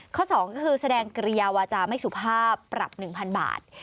๒ก็คือแสดงเกริยาวาจาไม่สุภาพปรับ๑๐๐๐บาท